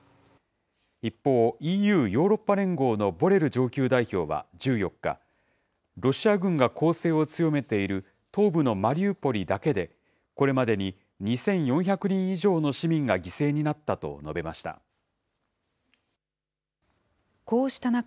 一方、ＥＵ・ヨーロッパ連合のボレル上級代表は１４日、ロシア軍が攻勢を強めている東部のマリウポリだけで、これまでに２４００人以上の市民が犠牲になったと述べました。